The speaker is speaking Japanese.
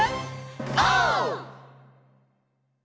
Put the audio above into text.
オー！